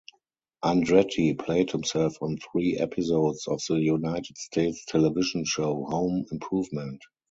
Andretti played himself on three episodes of the United States television show "Home Improvement".